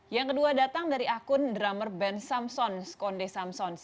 yang kedua datang dari akun drummer band samson skonde samsons